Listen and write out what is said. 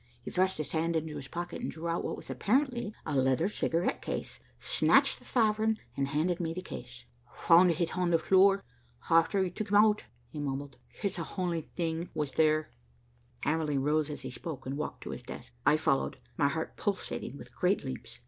He thrust his hand into his pocket, and drew out what was apparently a leather cigarette case, snatched the sovereign, and handed me the case. 'Found h'it h'on the floor, h'after we took 'im h'out,' he mumbled. 'H'it's the h'only think was there.'" Hamerly rose as he spoke and walked to his desk. I followed, my heart pulsating with great leaps.